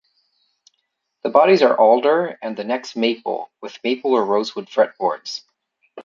The bodies are alder and the necks maple, with maple or rosewood fretboards.